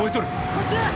こっちや！